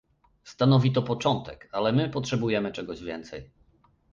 Stanowi to początek, ale my potrzebujemy czegoś więcej